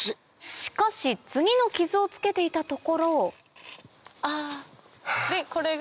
しかし次の傷をつけていたところこれが。